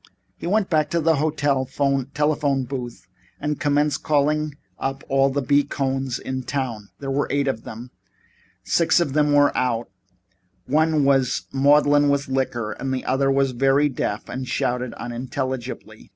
He went back to the hotel telephone booth and commenced calling up all the B. Cohns in town. There were eight of them and six of them were out, one was maudlin with liquor and the other was very deaf and shouted unintelligibly.